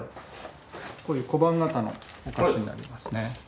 こういう小判型のお菓子になりますね。